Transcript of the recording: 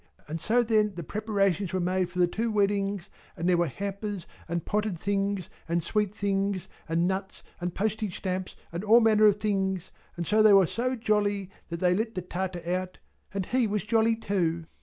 And so then the preparations were made for the two weddings, and there were hampers, and potted things, and sweet things, and nuts, and postage stamps, and all manner of things. And so they were so jolly, that they let the Tartar out, and he was jolly too."